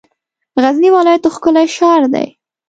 غزنی ولایت ښکلی شار دی.